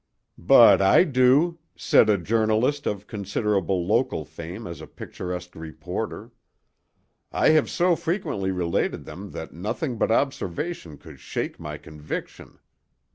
"But I do," said a journalist of considerable local fame as a picturesque reporter. "I have so frequently related them that nothing but observation could shake my conviction.